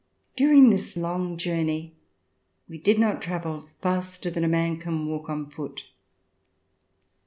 During this long journey we did not travel faster than a man can walk on foot.